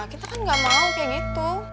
kita kan gak mau kayak gitu